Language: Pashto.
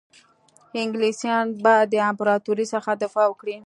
انګلیسیان به د امپراطوري څخه دفاع وکړي.